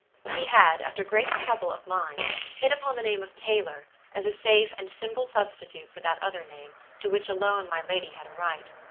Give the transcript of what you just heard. He had, after great trouble of mind, hit upon the name of Taylor, as a safe and simple substitute for that other name, to which alone my lady had a right.